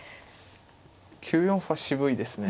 ９四歩は渋いですね。